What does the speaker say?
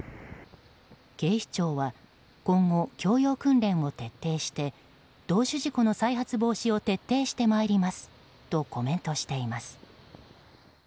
警視庁は今後教養訓練を徹底して同種事故の再発防止を徹底して参りますとコメントしています。